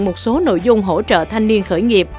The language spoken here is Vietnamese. một số nội dung hỗ trợ thanh niên khởi nghiệp